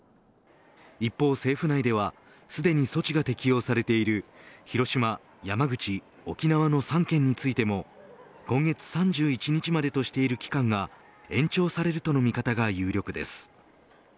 一方、政府内ではすでに措置が適用されている広島、山口沖縄の３県についても今月３１日までとしている期間が延長されるとの見方が有力です。